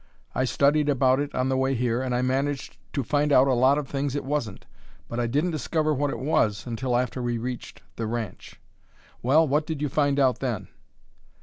I studied about it on the way here, and I managed to find out a lot of things it wasn't. But I didn't discover what it was till after we reached the ranch." "Well, what did you find out then?"